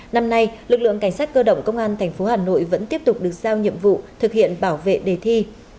năm nay lực lượng cảnh sát cơ động công an tp hà nội vẫn tiếp tục được giao nhiệm vụ thực hiện bảo vệ đề thi